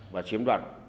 và chiếm đoàn